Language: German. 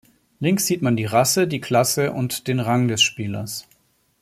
Links sieht man die Rasse, die Klasse und den Rang des Spielers.